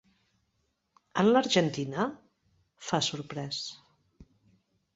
En l'Argentina? –fa sorprès–.